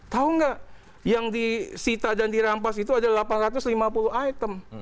tahu gak yang di sita dan dirampas itu ada delapan ratus lima puluh item